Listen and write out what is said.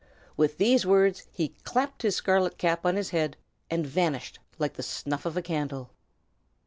With these words he clapped his scarlet cap on his head, and vanished like the snuff of a candle.